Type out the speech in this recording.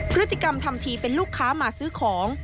พฤติกรรมทำทีเป็นลูกค้ามาซื้อของ